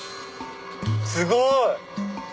すごい！